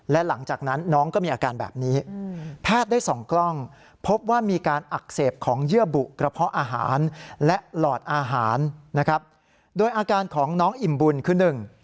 และหลอดอาหารนะครับโดยอาการของน้องอิ่มบุญคือ๑